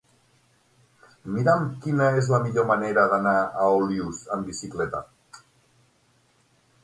Mira'm quina és la millor manera d'anar a Olius amb bicicleta.